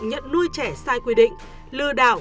nhận nuôi trẻ sai quy định lừa đảo